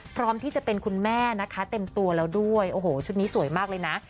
พร้อมที่จะเป็นคุณแม่นะคะเต็มตัวแล้วด้วยโอ้โหชุดนี้สวยมากเลยนะ